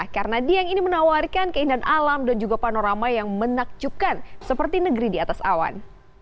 karena dieng ini menawarkan keindahan alam dan juga panorama yang menakjubkan seperti negeri di atas awan